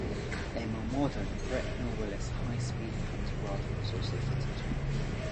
A more modern Brecknell Willis high speed pantograph was also fitted.